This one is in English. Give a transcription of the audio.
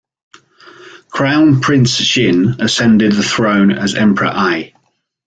Crown Prince Xin ascended the throne as Emperor Ai.